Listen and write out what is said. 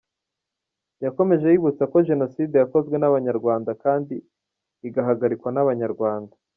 Yakomeje yibutsa ko Jenoside yakozwe n’abanyarwanda kandi igahagarikwa n’abanyarwanda.